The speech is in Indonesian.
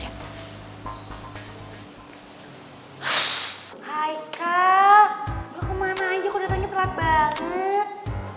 hai kak gue kemana aja kok datangnya telat banget